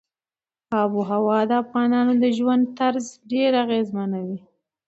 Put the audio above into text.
آب وهوا د افغانانو د ژوند طرز ډېر اغېزمنوي.